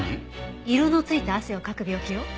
色のついた汗をかく病気よ。